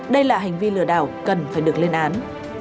đây là hành vi lừa đảo cần phải được lên án